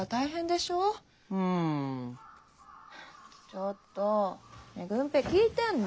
ちょっとねえ郡平聞いてんの？